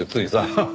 ハハハ。